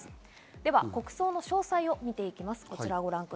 国葬の詳細を見ていきます。